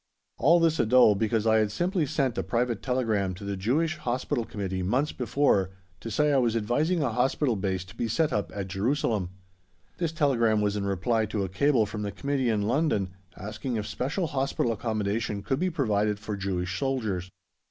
All this ado because I had simply sent a private telegram to the Jewish Hospital Committee months before to say I was advising a Hospital base to be set up at Jerusalem. This telegram was in reply to a cable from the Committee in London asking if special hospital accommodation could be provided for Jewish soldiers.